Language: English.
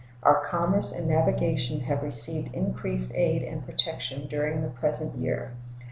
Our commerce and navigation have received increased aid and protection during the present year.